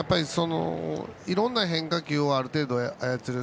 いろんな変化球をある程度、操れる。